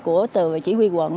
của từ chỉ huy quận